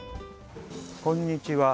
こんにちは。